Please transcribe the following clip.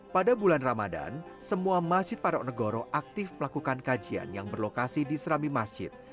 pada bulan ramadhan semua masjid patok negoro aktif melakukan kajian yang berlokasi di serambi masjid